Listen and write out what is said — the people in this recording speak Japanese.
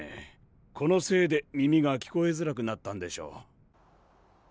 このせいで耳が聞こえづらくなったんでしょう。